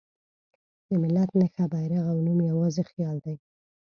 د ملت نښه، بیرغ او نوم یواځې خیال دی.